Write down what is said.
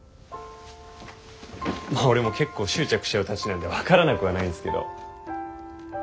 俺も結構執着しちゃうたちなんで分からなくはないんですけど。